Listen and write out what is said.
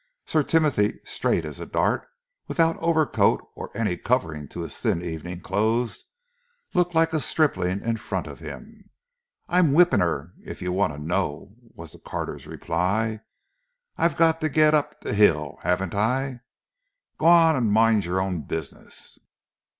Sir Timothy, straight as a dart, without overcoat or any covering to his thin evening clothes, looked like a stripling in front of him. "I'm whippin' 'er, if yer want to know," was the carter's reply. "I've got to get up the 'ill, 'aven't I? Garn and mind yer own business!"